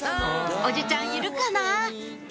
おじちゃんいるかな？